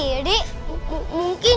ya aku mau makan